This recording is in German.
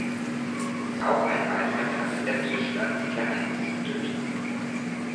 Auch eine Meisterklasse der Tischler ist hier angesiedelt.